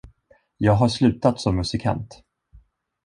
Jag har slutat som musikant.